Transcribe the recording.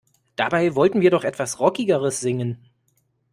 Dabei wollten wir doch etwas Rockigeres singen.